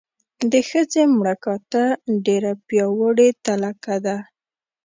د ښځې مړه کاته ډېره پیاوړې تلکه ده.